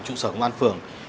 trụ sở công an phường